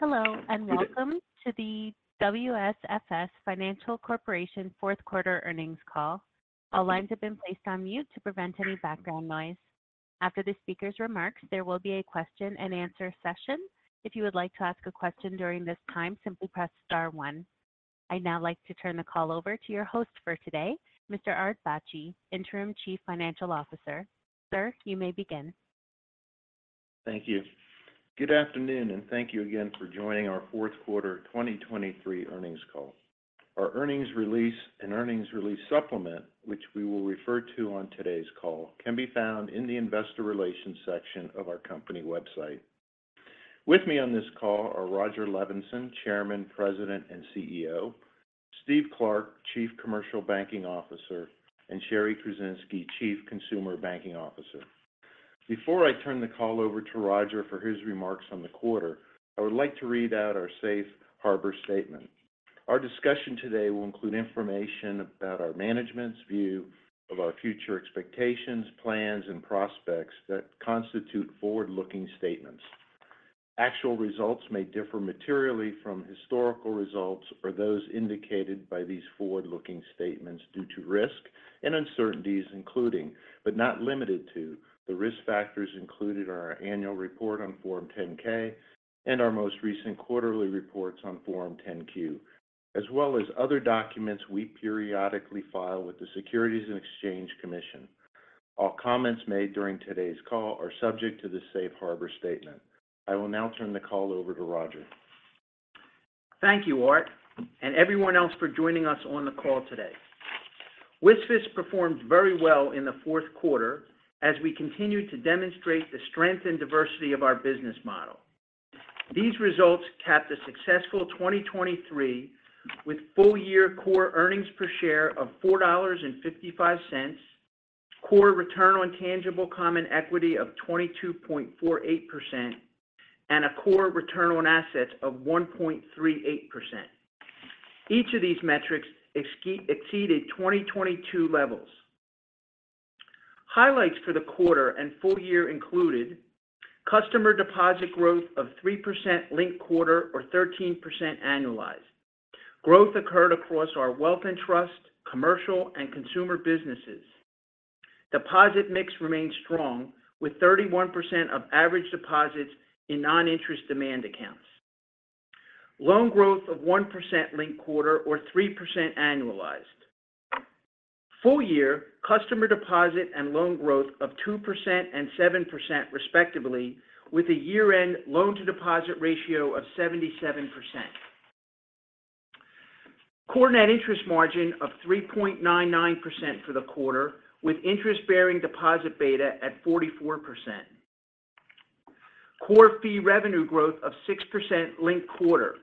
Hello, and welcome to the WSFS Financial Corporation fourth quarter earnings call. All lines have been placed on mute to prevent any background noise. After the speaker's remarks, there will be a question and answer session. If you would like to ask a question during this time, simply press star one. I'd now like to turn the call over to your host for today, Mr. Art Bacci, Interim Chief Financial Officer. Sir, you may begin. Thank you. Good afternoon, and thank you again for joining our fourth quarter 2023 earnings call. Our earnings release and earnings release supplement, which we will refer to on today's call, can be found in the Investor Relations section of our company website. With me on this call are Rodger Levenson, Chairman, President, and CEO, Steve Clark, Chief Commercial Banking Officer, and Shari Kruzinski, Chief Consumer Banking Officer. Before I turn the call over to Rodger for his remarks on the quarter, I would like to read out our safe harbor statement. Our discussion today will include information about our management's view of our future expectations, plans, and prospects that constitute forward-looking statements. Actual results may differ materially from historical results or those indicated by these forward-looking statements due to risks and uncertainties, including, but not limited to, the risk factors included in our annual report on Form 10-K and our most recent quarterly reports on Form 10-Q, as well as other documents we periodically file with the Securities and Exchange Commission. All comments made during today's call are subject to the safe harbor statement. I will now turn the call over to Rodger. Thank you, Art, and everyone else for joining us on the call today. WSFS performed very well in the fourth quarter as we continued to demonstrate the strength and diversity of our business model. These results capped a successful 2023 with full-year core earnings per share of $4.55, core return on tangible common equity of 22.48%, and a core return on assets of 1.38%. Each of these metrics exceeded 2022 levels. Highlights for the quarter and full year included customer deposit growth of 3% linked quarter or 13% annualized. Growth occurred across our Wealth and Trust, commercial, and consumer businesses. Deposit mix remained strong, with 31% of average deposits in non-interest demand accounts. Loan growth of 1% linked quarter or 3% annualized. Full-year customer deposit and loan growth of 2% and 7% respectively, with a year-end loan-to-deposit ratio of 77%. Core net interest margin of 3.99% for the quarter, with interest-bearing deposit beta at 44%. Core fee revenue growth of 6% linked quarter.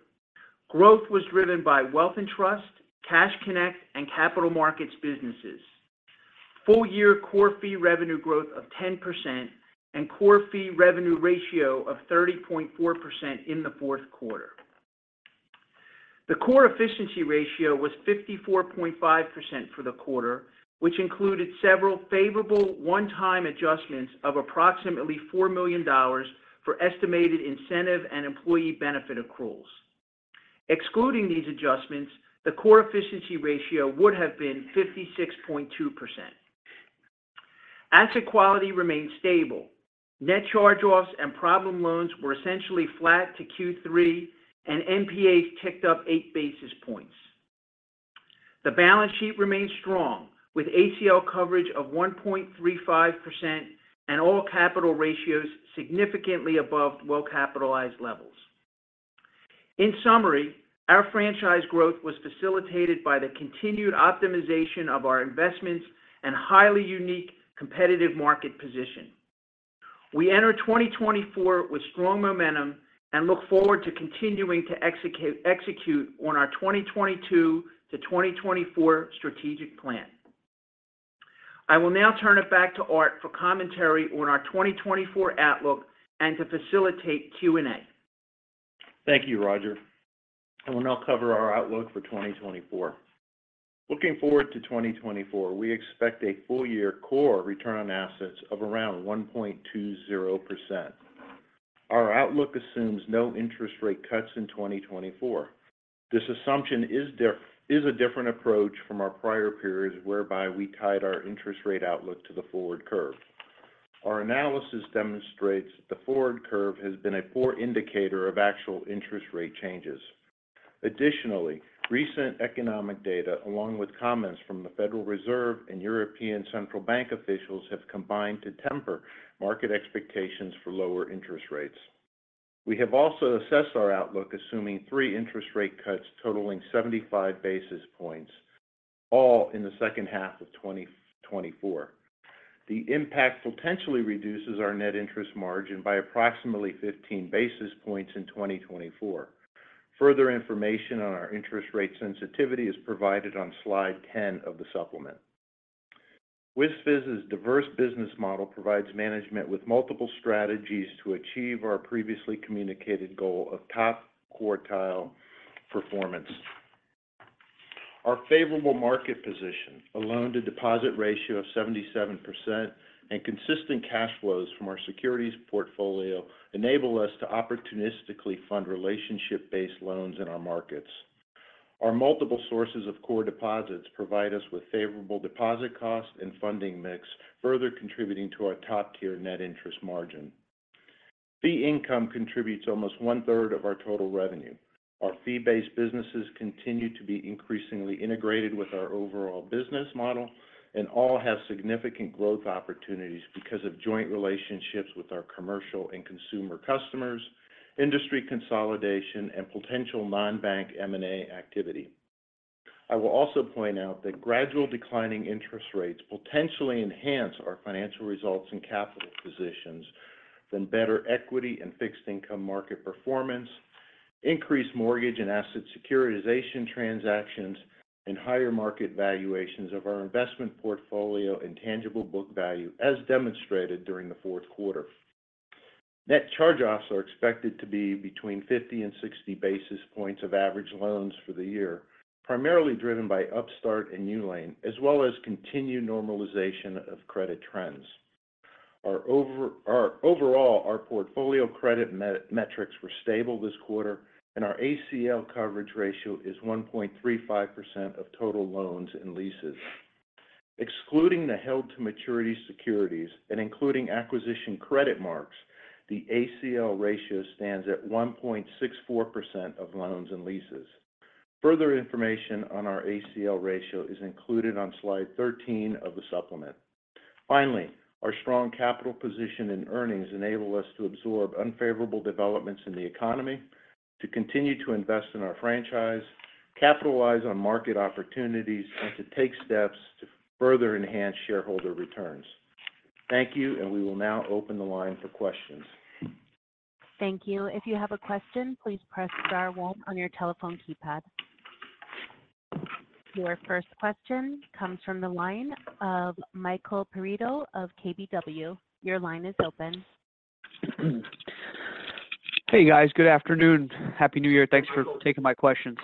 Growth was driven by Wealth and Trust, Cash Connect, and Capital Markets businesses. Full-year core fee revenue growth of 10% and core fee revenue ratio of 30.4% in the fourth quarter. The core efficiency ratio was 54.5% for the quarter, which included several favorable one-time adjustments of approximately $4 million for estimated incentive and employee benefit accruals. Excluding these adjustments, the core efficiency ratio would have been 56.2%. Asset quality remained stable. Net charge-offs and problem loans were essentially flat to Q3, and NPAs ticked up 8 basis points. The balance sheet remained strong, with ACL coverage of 1.35% and all capital ratios significantly above well-capitalized levels. In summary, our franchise growth was facilitated by the continued optimization of our investments and highly unique competitive market position. We enter 2024 with strong momentum and look forward to continuing to execute, execute on our 2022 to 2024 strategic plan. I will now turn it back to Art for commentary on our 2024 outlook and to facilitate Q&A. Thank you, Rodger. I will now cover our outlook for 2024. Looking forward to 2024, we expect a full-year core return on assets of around 1.20%. Our outlook assumes no interest rate cuts in 2024. This assumption is a different approach from our prior periods, whereby we tied our interest rate outlook to the forward curve. Our analysis demonstrates the forward curve has been a poor indicator of actual interest rate changes. Additionally, recent economic data, along with comments from the Federal Reserve and European Central Bank officials, have combined to temper market expectations for lower interest rates. We have also assessed our outlook, assuming three interest rate cuts totaling 75 basis points, all in the second half of 2024. The impact potentially reduces our net interest margin by approximately 15 basis points in 2024. Further information on our interest rate sensitivity is provided on slide 10 of the supplement. WSFS's diverse business model provides management with multiple strategies to achieve our previously communicated goal of top quartile performance. Our favorable market position, a loan-to-deposit ratio of 77%, and consistent cash flows from our securities portfolio enable us to opportunistically fund relationship-based loans in our markets. Our multiple sources of core deposits provide us with favorable deposit costs and funding mix, further contributing to our top-tier net interest margin. Fee income contributes almost one-third of our total revenue. Our fee-based businesses continue to be increasingly integrated with our overall business model, and all have significant growth opportunities because of joint relationships with our commercial and consumer customers, industry consolidation, and potential non-bank M&A activity. I will also point out that gradual declining interest rates potentially enhance our financial results and capital positions than better equity and fixed income market performance, increased mortgage and asset securitization transactions, and higher market valuations of our investment portfolio and tangible book value, as demonstrated during the fourth quarter. Net charge-offs are expected to be between 50 and 60 basis points of average loans for the year, primarily driven by Upstart and NewLane, as well as continued normalization of credit trends. Overall, our portfolio credit metrics were stable this quarter, and our ACL coverage ratio is 1.35% of total loans and leases. Excluding the held-to-maturity securities and including acquisition credit marks, the ACL ratio stands at 1.64% of loans and leases. Further information on our ACL ratio is included on slide 13 of the supplement. Finally, our strong capital position and earnings enable us to absorb unfavorable developments in the economy, to continue to invest in our franchise, capitalize on market opportunities, and to take steps to further enhance shareholder returns. Thank you, and we will now open the line for questions. Thank you. If you have a question, please press star one on your telephone keypad. Your first question comes from the line of Michael Perito of KBW. Your line is open. Hey, guys. Good afternoon. Happy New Year. Thanks for taking my questions.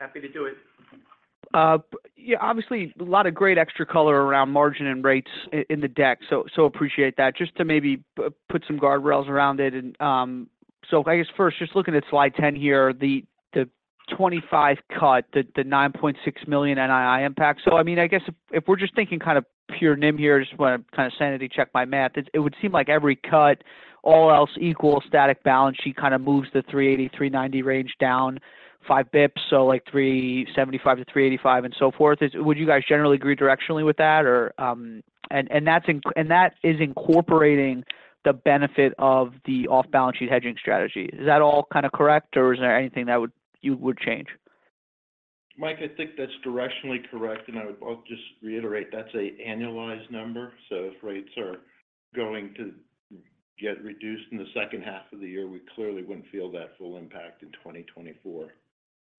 Happy to do it. Yeah, obviously, a lot of great extra color around margin and rates in the deck, so appreciate that. Just to maybe put some guardrails around it. So I guess first, just looking at slide 10 here, the 25 cut, the $9.6 million NII impact. So, I mean, I guess if we're just thinking kind of pure NIM here, just want to kind of sanity check my math, it would seem like every cut, all else equal, static balance sheet kind of moves the 3.80, 3.90 range down five basis points, so like 3.75-3.85 and so forth. Would you guys generally agree directionally with that or... And that is incorporating the benefit of the off-balance sheet hedging strategy. Is that all kind of correct, or is there anything that would-- you would change? Mike, I think that's directionally correct, and I would, I'll just reiterate, that's a annualized number. So if rates are going to get reduced in the second half of the year, we clearly wouldn't feel that full impact in 2024.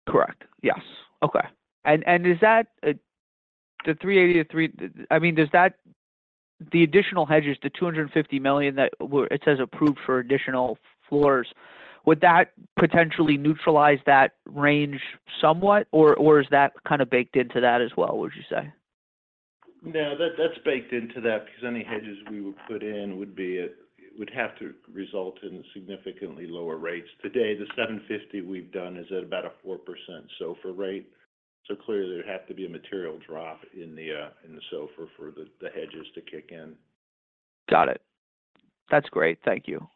Correct. Yes. Okay. And, and is that, the 380-3... I mean, does that-- the additional hedges, the $250 million that were-- it says, "Approved for additional floors," would that potentially neutralize that range somewhat, or, or is that kind of baked into that as well, would you say? No, that's, that's baked into that, because any hedges we would put in would be, would have to result in significantly lower rates. Today, the 7.50 we've done is at about a 4% SOFR rate. So clearly, there'd have to be a material drop in the, in the SOFR for the, the hedges to kick in. Got it. That's great. Thank you.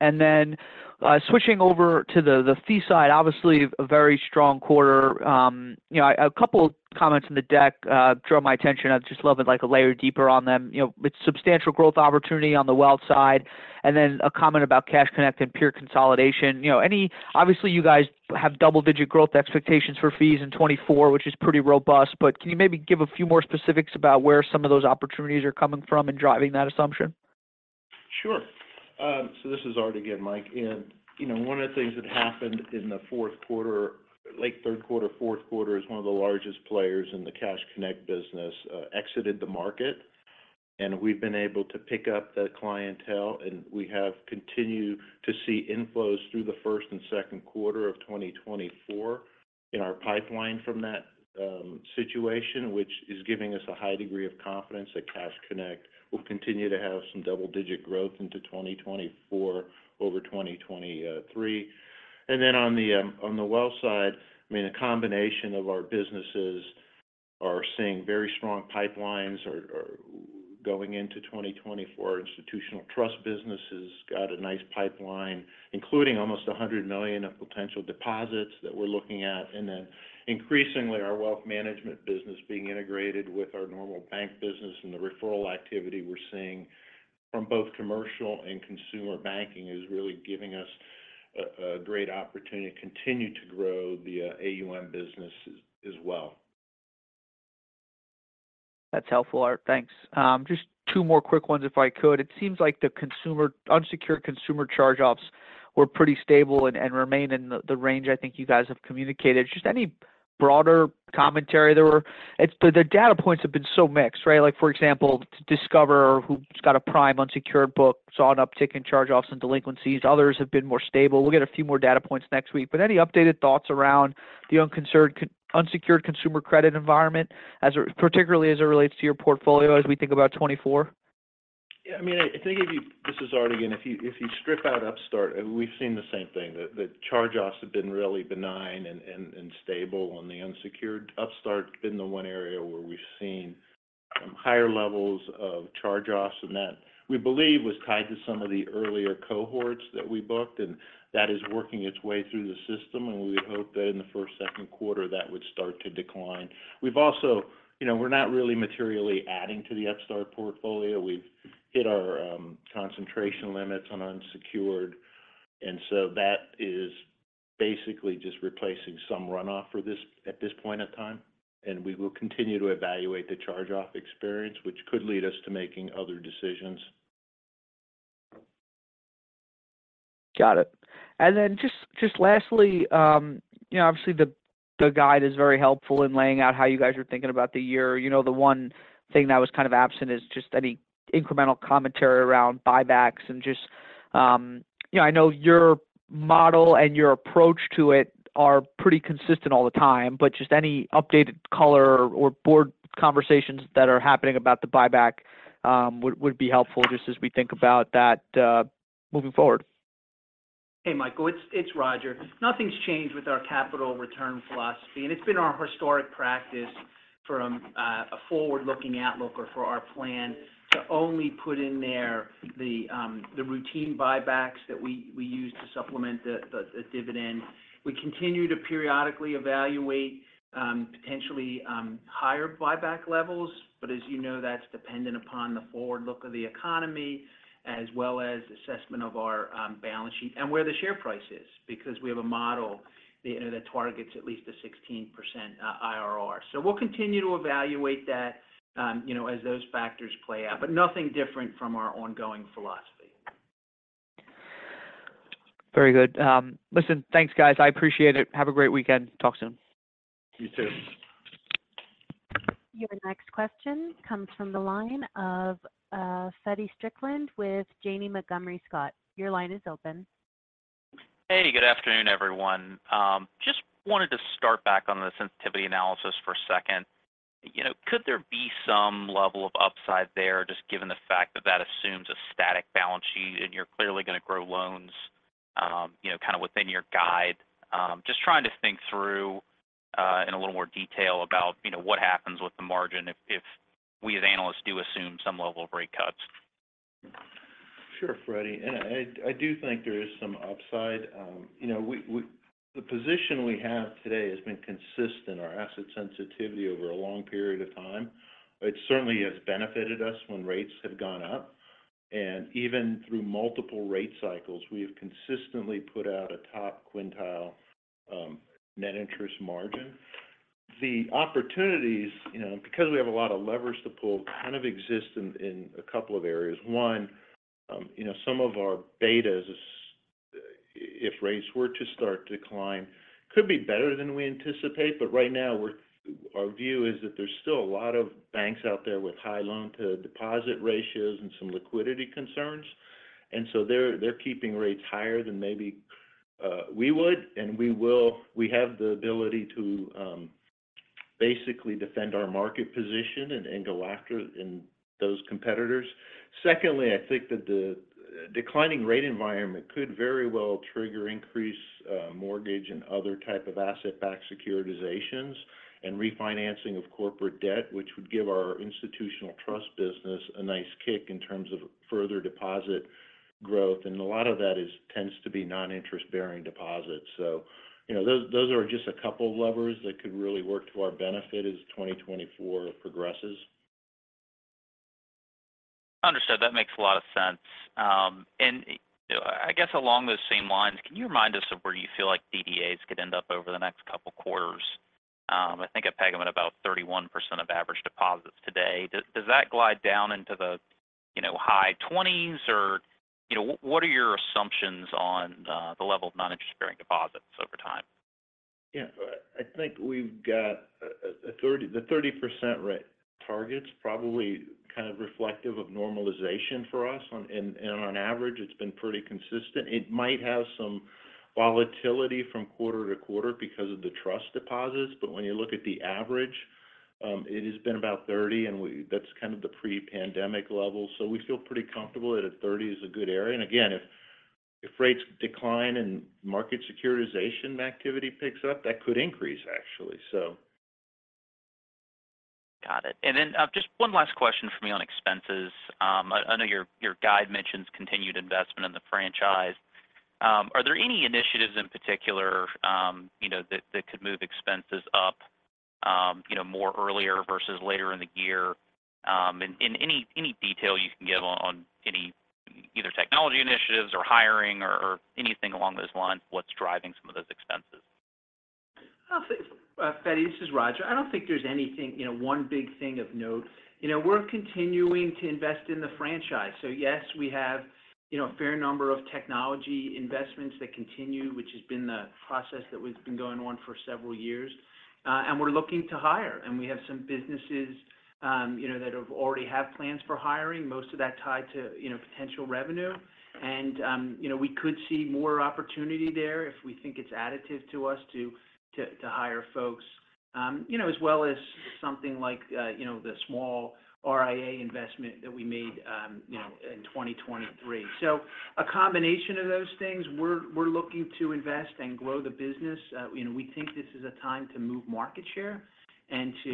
And then, switching over to the fee side, obviously a very strong quarter. You know, a couple of comments in the deck draw my attention. I'd just love it, like, a layer deeper on them. You know, with substantial growth opportunity on the wealth side, and then a comment about Cash Connect and peer consolidation. You know, anyway, obviously, you guys have double-digit growth expectations for fees in 2024, which is pretty robust, but can you maybe give a few more specifics about where some of those opportunities are coming from in driving that assumption? Sure. So this is Art again, Mike. And you know, one of the things that happened in the fourth quarter, late third quarter, fourth quarter, is one of the largest players in the Cash Connect business, exited the market, and we've been able to pick up the clientele, and we have continued to see inflows through the first and second quarter of 2024 in our pipeline from that situation, which is giving us a high degree of confidence that Cash Connect will continue to have some double-digit growth into 2024 over 2023. And then on the wealth side, I mean, a combination of our businesses are seeing very strong pipelines going into 2024. Our institutional trust business has got a nice pipeline, including almost $100 million of potential deposits that we're looking at. And then increasingly, our wealth management business being integrated with our normal bank business and the referral activity we're seeing from both commercial and consumer banking is really giving us a great opportunity to continue to grow the AUM business as well. That's helpful, Art. Thanks. Just two more quick ones, if I could. It seems like the consumer unsecured consumer charge-offs were pretty stable and remain in the range I think you guys have communicated. Just any broader commentary. It's the data points have been so mixed, right? Like, for example, Discover who's got a prime unsecured book, saw an uptick in charge-offs and delinquencies. Others have been more stable. We'll get a few more data points next week, but any updated thoughts around the unsecured consumer credit environment as it particularly as it relates to your portfolio, as we think about 2024? Yeah, I mean, I think if you, this is Art again. If you, if you strip out Upstart, and we've seen the same thing, that, that charge-offs have been really benign and, and, and stable on the unsecured. Upstart been the one area where we've seen some higher levels of charge-offs, and that we believe was tied to some of the earlier cohorts that we booked, and that is working its way through the system. And we would hope that in the first, second quarter, that would start to decline. We've also. You know, we're not really materially adding to the Upstart portfolio. We've hit our, concentration limits on unsecured, and so that is basically just replacing some runoff for this at this point in time, and we will continue to evaluate the charge-off experience, which could lead us to making other decisions. Got it. And then just lastly, you know, obviously the guide is very helpful in laying out how you guys are thinking about the year. You know, the one thing that was kind of absent is just any incremental commentary around buybacks. And just, you know, I know your model and your approach to it are pretty consistent all the time, but just any updated color or board conversations that are happening about the buyback would be helpful just as we think about that moving forward. Hey, Michael, it's Rodger. Nothing's changed with our capital return philosophy, and it's been our historic practice from a forward-looking outlook or for our plan, to only put in there the routine buybacks that we use to supplement the dividend. We continue to periodically evaluate potentially higher buyback levels, but as you know, that's dependent upon the forward look of the economy, as well as assessment of our balance sheet and where the share price is, because we have a model that targets at least a 16% IRR. So we'll continue to evaluate that, you know, as those factors play out, but nothing different from our ongoing philosophy. Very good. Listen, thanks, guys. I appreciate it. Have a great weekend. Talk soon. You too. Your next question comes from the line of Feddie Strickland with Janney Montgomery Scott. Your line is open. Hey, good afternoon, everyone. Just wanted to start back on the sensitivity analysis for a second. You know, could there be some level of upside there, just given the fact that that assumes a static balance sheet and you're clearly going to grow loans, you know, kind of within your guide? Just trying to think through, in a little more detail about, you know, what happens with the margin if, if we as analysts do assume some level of rate cuts. Sure, Feddie. And I do think there is some upside. You know, the position we have today has been consistent, our asset sensitivity over a long period of time. It certainly has benefited us when rates have gone up, and even through multiple rate cycles, we have consistently put out a top quintile net interest margin. The opportunities, you know, because we have a lot of leverage to pull, kind of exist in a couple of areas. One, you know, some of our betas is, if rates were to start to decline, could be better than we anticipate. But right now, our view is that there's still a lot of banks out there with high loan-to-deposit ratios and some liquidity concerns. So they're keeping rates higher than maybe we would, and we will—we have the ability to basically defend our market position and go after those competitors. Secondly, I think that the declining rate environment could very well trigger increased mortgage and other type of asset-backed securitizations and refinancing of corporate debt, which would give our institutional trust business a nice kick in terms of further deposit growth. And a lot of that tends to be non-interest-bearing deposits. So, you know, those are just a couple of levers that could really work to our benefit as 2024 progresses. Understood. That makes a lot of sense. And I guess along those same lines, can you remind us of where you feel like DDAs could end up over the next couple quarters? I think I peg them at about 31% of average deposits today. Does that glide down into the, you know, high 20s? Or, you know, what are your assumptions on the level of non-interest-bearing deposits over time? Yeah. I think we've got a 30% rate targets, probably kind of reflective of normalization for us. On average, it's been pretty consistent. It might have some volatility from quarter to quarter because of the trust deposits, but when you look at the average, it has been about 30, and we—that's kind of the pre-pandemic level, so we feel pretty comfortable that a 30 is a good area. And again, if rates decline and market securitization activity picks up, that could increase, actually. So... Got it. And then, just one last question for me on expenses. I know your guide mentions continued investment in the franchise. Are there any initiatives in particular, you know, that could move expenses up, you know, more earlier versus later in the year? And any detail you can give on any either technology initiatives or hiring or anything along those lines, what's driving some of those expenses? ... I'll think, Feddie, this is Roger. I don't think there's anything, you know, one big thing of note. You know, we're continuing to invest in the franchise. So yes, we have, you know, a fair number of technology investments that continue, which has been the process that we've been going on for several years. And we're looking to hire, and we have some businesses, you know, that already have plans for hiring, most of that tied to, you know, potential revenue. And, you know, we could see more opportunity there if we think it's additive to us to hire folks. You know, as well as something like, you know, the small RIA investment that we made, you know, in 2023. So a combination of those things, we're looking to invest and grow the business. you know, we think this is a time to move market share and to,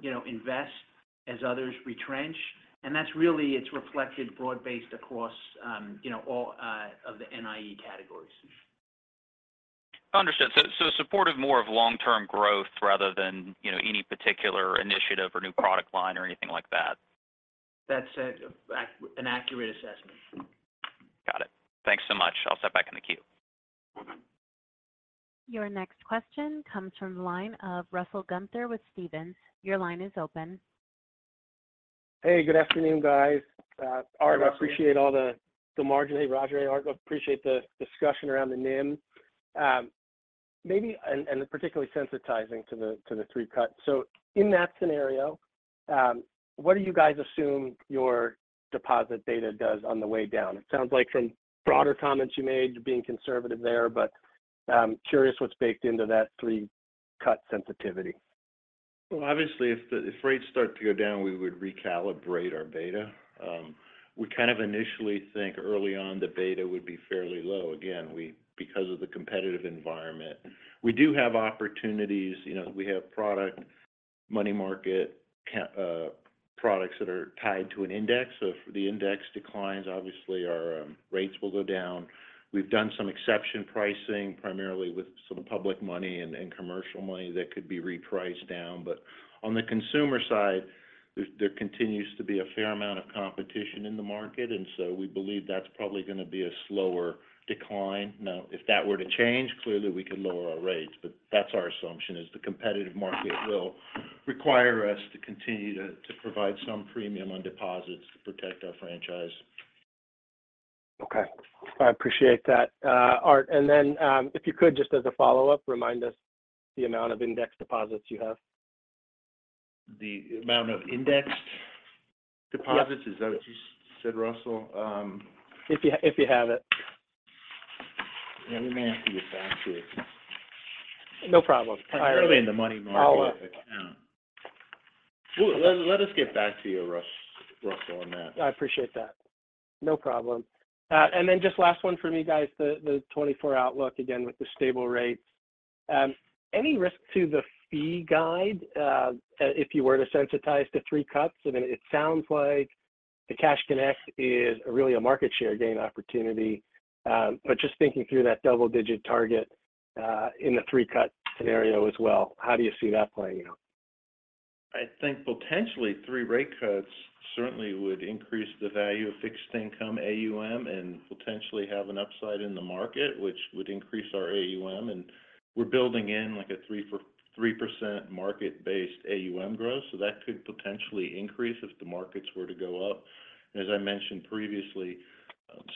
you know, invest as others retrench. And that's really. It's reflected broad-based across, you know, all of the NIE categories. Understood. So, supportive more of long-term growth rather than, you know, any particular initiative or new product line or anything like that? That's an accurate assessment. Got it. Thanks so much. I'll step back in the queue. Your next question comes from the line of Russell Gunther with Stephens. Your line is open. Hey, good afternoon, guys. Art, I appreciate all the margin. Hey, Rodger and Art, I appreciate the discussion around the NIM. Maybe and particularly sensitizing to the three cuts. So in that scenario, what do you guys assume your deposit beta does on the way down? It sounds like from broader comments you made, you're being conservative there, but I'm curious what's baked into that three-cut sensitivity. Well, obviously, if rates start to go down, we would recalibrate our beta. We kind of initially think early on the beta would be fairly low. Again, we because of the competitive environment. We do have opportunities, you know, we have product, money market, products that are tied to an index. So if the index declines, obviously our rates will go down. We've done some exception pricing, primarily with some public money and commercial money that could be repriced down. But on the consumer side, there continues to be a fair amount of competition in the market, and so we believe that's probably going to be a slower decline. Now, if that were to change, clearly we could lower our rates, but that's our assumption is the competitive market will require us to continue to provide some premium on deposits to protect our franchise. Okay. I appreciate that, Art. And then, if you could, just as a follow-up, remind us the amount of indexed deposits you have. The amount of indexed deposits? Yep. Is that what you said, Russell? If you have it. Yeah, we may have to get back to you. No problem. It's probably in the money market account. I'll- Well, let us get back to you, Russell, on that. I appreciate that. No problem. And then just last one for me, guys. The 2024 outlook, again, with the stable rates. Any risk to the fee guide, if you were to sensitize to three cuts? I mean, it sounds like the Cash Connect is really a market share gain opportunity. But just thinking through that double-digit target, in the three-cut scenario as well, how do you see that playing out? I think potentially three rate cuts certainly would increase the value of fixed income AUM and potentially have an upside in the market, which would increase our AUM. We're building in like a 3% market-based AUM growth, so that could potentially increase if the markets were to go up. As I mentioned previously,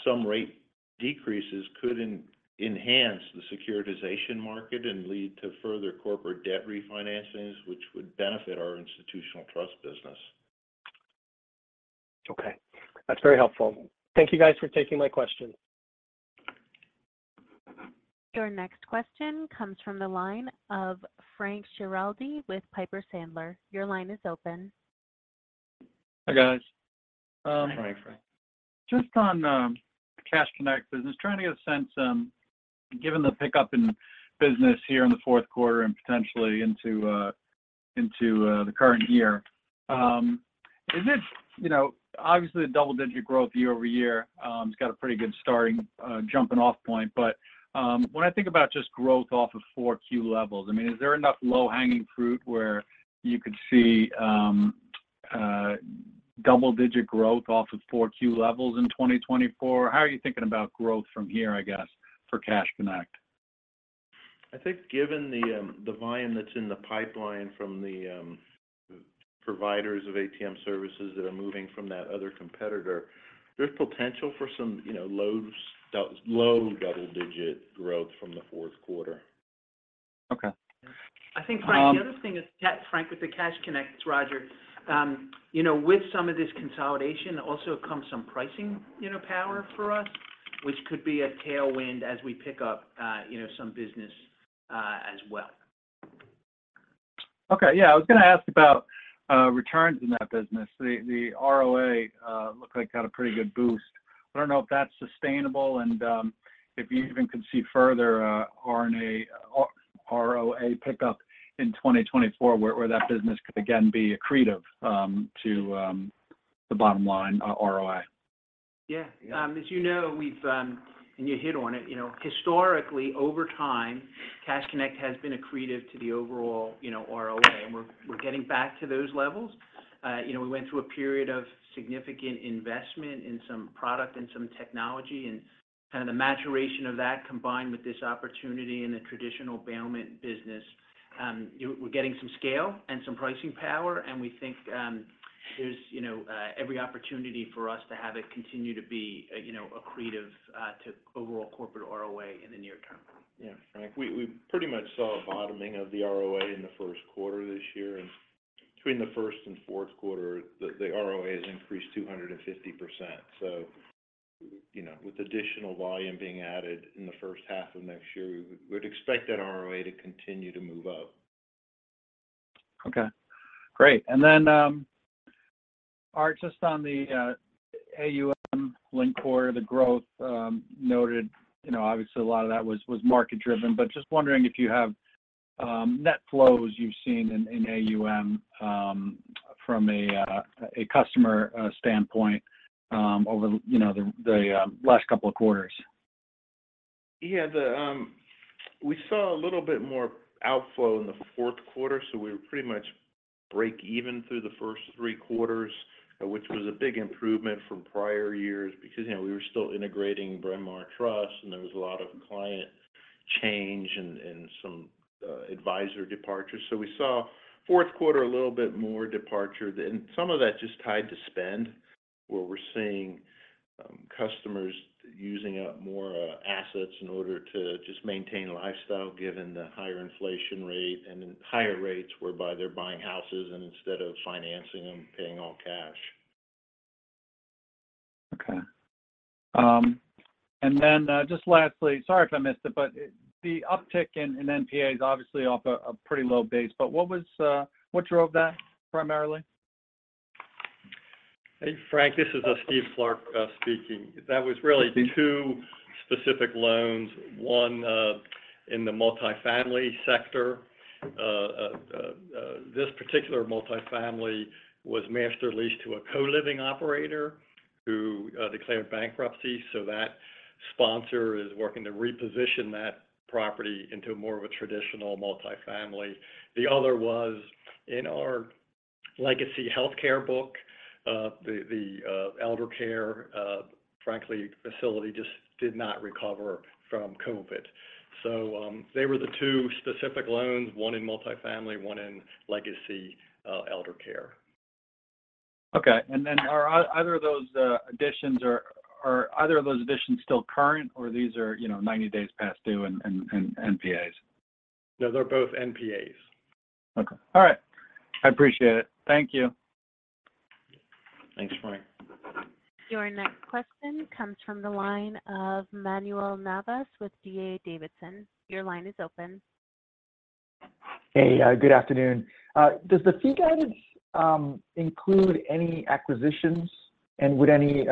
some rate decreases could enhance the securitization market and lead to further corporate debt refinancings, which would benefit our institutional trust business. Okay. That's very helpful. Thank you guys for taking my question. Your next question comes from the line of Frank Schiraldi with Piper Sandler. Your line is open. Hi, guys. Hi, Frank. Just on, Cash Connect business, trying to get a sense, given the pickup in business here in the fourth quarter and potentially into the current year. Is it—you know, obviously, the double-digit growth year-over-year, it's got a pretty good starting, jumping-off point. But, when I think about just growth off of 4Q levels, I mean, is there enough low-hanging fruit where you could see, double-digit growth off of 4Q levels in 2024? How are you thinking about growth from here, I guess, for Cash Connect? I think given the volume that's in the pipeline from the providers of ATM services that are moving from that other competitor, there's potential for some, you know, low double-digit growth from the fourth quarter. Okay. I think, Frank, the other thing is, Frank, with the Cash Connect, it's Rodger. You know, with some of this consolidation also comes some pricing, you know, power for us, which could be a tailwind as we pick up, you know, some business, as well. Okay, yeah. I was going to ask about returns in that business. The ROA looked like got a pretty good boost. I don't know if that's sustainable and if you even could see further NIM or ROA pickup in 2024, where that business could again be accretive to the bottom line ROI. Yeah. Yeah. As you know, we've... You hit on it, you know, historically, over time, Cash Connect has been accretive to the overall, you know, ROA, and we're getting back to those levels. You know, we went through a period of significant investment in some product and some technology, and kind of the maturation of that, combined with this opportunity in the traditional bailment business, we're getting some scale and some pricing power, and we think,... there's, you know, every opportunity for us to have it continue to be a, you know, accretive to overall corporate ROA in the near term. Yeah, Frank, we pretty much saw a bottoming of the ROA in the first quarter this year, and between the first and fourth quarter, the ROA has increased 250%. So, you know, with additional volume being added in the first half of next year, we'd expect that ROA to continue to move up. Okay, great. And then, Art, just on the AUM linked quarter, the growth noted, you know, obviously a lot of that was market driven, but just wondering if you have net flows you've seen in AUM from a customer standpoint over the, you know, the last couple of quarters? Yeah, the... We saw a little bit more outflow in the fourth quarter, so we were pretty much break even through the first three quarters, which was a big improvement from prior years. Because, you know, we were still integrating Bryn Mawr Trust, and there was a lot of client change and some advisor departures. So we saw fourth quarter, a little bit more departure, and some of that just tied to spend, where we're seeing customers using up more assets in order to just maintain a lifestyle, given the higher inflation rate and then higher rates, whereby they're buying houses and instead of financing them, paying all cash. Okay. And then, just lastly, sorry if I missed it, but the uptick in NPAs is obviously off a pretty low base, but what drove that primarily? Hey, Frank, this is Steve Clark speaking. That was really two specific loans, one in the multifamily sector. This particular multifamily was master leased to a co-living operator who declared bankruptcy, so that sponsor is working to reposition that property into more of a traditional multifamily. The other was in our legacy healthcare book. The eldercare facility just did not recover from COVID. So, they were the two specific loans, one in multifamily, one in legacy eldercare. Okay. And then are either of those additions or, are either of those additions still current, or these are, you know, 90 days past due and NPAs? No, they're both NPAs. Okay. All right. I appreciate it. Thank you. Thanks, Frank. Your next question comes from the line of Manuel Navas with D.A. Davidson. Your line is open. Hey, good afternoon. Does the fee guidance include any acquisitions? And would any...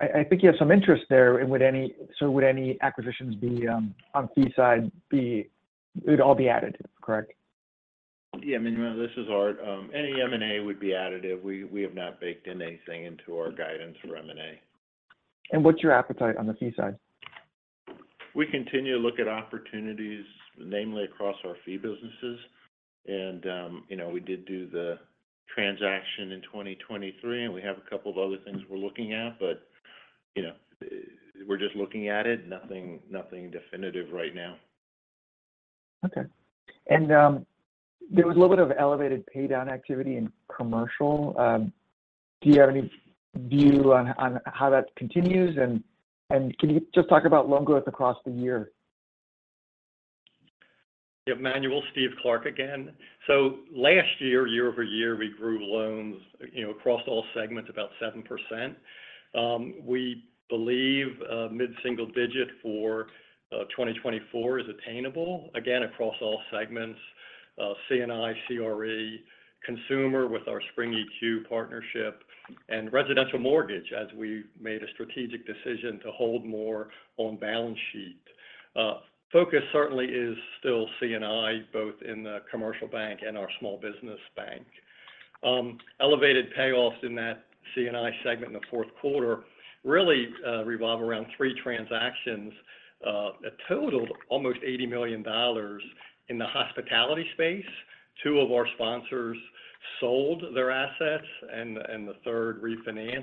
I think you have some interest there, and would any-- so would any acquisitions be on fee side, it would all be additive, correct? Yeah, Manuel, this is Art. Any M&A would be additive. We, we have not baked anything into our guidance for M&A. What's your appetite on the fee side? We continue to look at opportunities, namely across our fee businesses. You know, we did do the transaction in 2023, and we have a couple of other things we're looking at, but, you know, we're just looking at it. Nothing, nothing definitive right now. Okay. And there was a little bit of elevated paydown activity in commercial. Do you have any view on how that continues? And can you just talk about loan growth across the year? Yeah, Manuel, Steve Clark again. So last year, year-over-year, we grew loans, you know, across all segments, about 7%. We believe mid-single digit for 2024 is attainable, again, across all segments, C&I, CRE, consumer, with our Spring EQ partnership, and residential mortgage, as we made a strategic decision to hold more on balance sheet. Focus certainly is still C&I, both in the commercial bank and our small business bank. Elevated payoffs in that C&I segment in the fourth quarter really revolve around three transactions that totaled almost $80 million. In the hospitality space, two of our sponsors sold their assets and the third refinanced,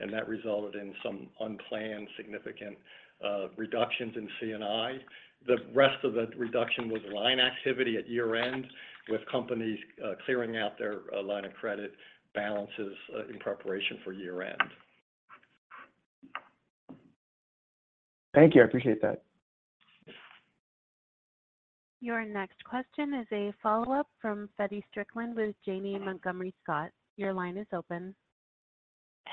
and that resulted in some unplanned, significant reductions in C&I. The rest of the reduction was line activity at year-end, with companies clearing out their line of credit balances in preparation for year-end. Thank you. I appreciate that. Your next question is a follow-up from Feddie Strickland with Janney Montgomery Scott. Your line is open.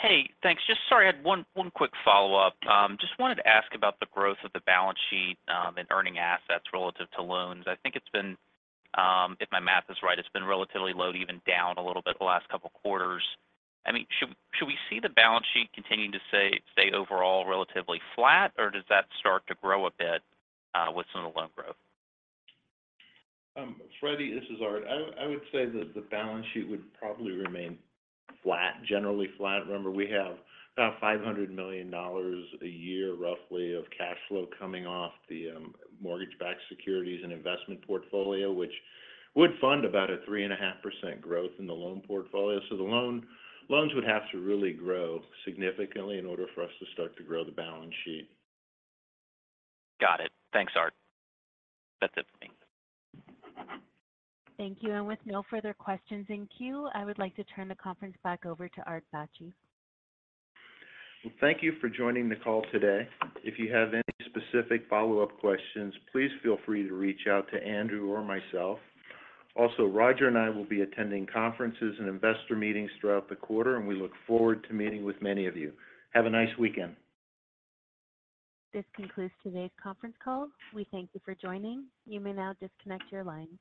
Hey, thanks. Just sorry, I had one quick follow-up. Just wanted to ask about the growth of the balance sheet and earning assets relative to loans. I think it's been, if my math is right, relatively low to even down a little bit the last couple of quarters. I mean, should we see the balance sheet continuing to say, stay overall relatively flat, or does that start to grow a bit with some of the loan growth? Feddie, this is Art. I would say that the balance sheet would probably remain flat, generally flat. Remember, we have about $500 million a year, roughly, of cash flow coming off the mortgage-backed securities and investment portfolio, which would fund about a 3.5% growth in the loan portfolio. So the loans would have to really grow significantly in order for us to start to grow the balance sheet. Got it. Thanks, Art. That's it for me. Thank you. With no further questions in queue, I would like to turn the conference back over to Art Bacci. Well, thank you for joining the call today. If you have any specific follow-up questions, please feel free to reach out to Andrew or myself. Also, Rodger and I will be attending conferences and investor meetings throughout the quarter, and we look forward to meeting with many of you. Have a nice weekend. This concludes today's conference call. We thank you for joining. You may now disconnect your lines.